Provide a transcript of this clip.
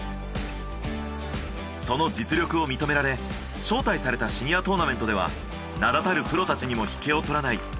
その実力を認められ招待されたシニアトーナメントでは名だたるプロたちにも引けをとらない